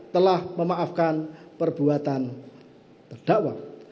telah memaafkan perbuatan terdakwa